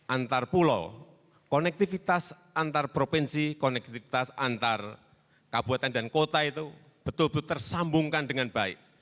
antar pulau konektivitas antar provinsi konektivitas antar kabupaten dan kota itu betul betul tersambungkan dengan baik